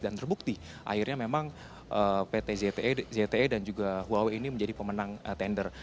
dan terbukti akhirnya memang pt zte dan juga huawei ini menjadi pemenang tender